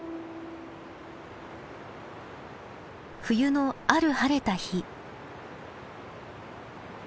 冬のある晴れた日。